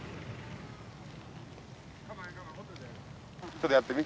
ちょっとやってみ。